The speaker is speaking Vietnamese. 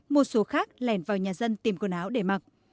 một số khác lẻn vào nhà dân tìm quần áo để mặc